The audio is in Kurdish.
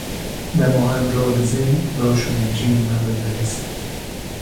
Dema em radizên laş û mejiyê me vedihesin.